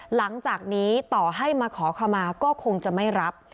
หลังจากนี้ต่อให้มาขอขมาก็คงจะไม่รับ